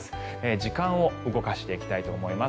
時間を動かしていきたいと思います。